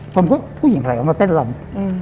ผมก็ผู้หญิงอะไรมาเต้นลำ